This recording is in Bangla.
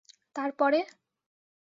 তার পরে?